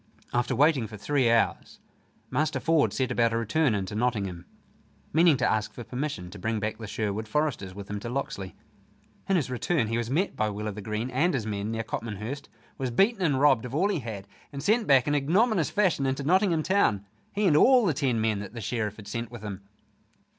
After waiting for three hours, Master Ford set about a return into Nottingham, meaning to ask for permission to bring back the Sherwood foresters with him to Locksley. In his return he was met by Will o' th' Green and his men near Copmanhurst, was beaten and robbed of all he had, and sent back in ignominious fashion into Nottingham town he and all the ten men that the Sheriff had sent with him!